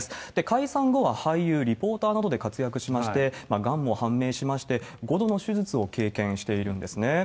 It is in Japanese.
解散後は俳優、リポーターなどで活躍しまして、がんも判明しまして、５度の手術を経験しているんですね。